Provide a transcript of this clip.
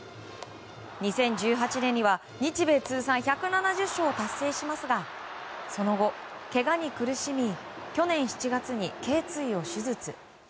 ２０１８年には日米通算１７０勝を達成しますがその後、けがに苦しみ去年７月に頸椎を手術。